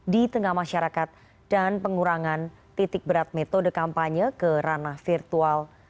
di tengah masyarakat dan pengurangan titik berat metode kampanye ke ranah virtual